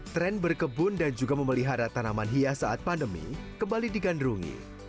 tren berkebun dan juga memelihara tanaman hias saat pandemi kembali digandrungi